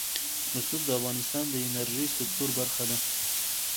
رسوب د افغانستان د انرژۍ سکتور برخه ده.